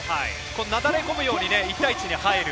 流れ込むように１対１に入る。